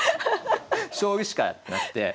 将棋しかなくて。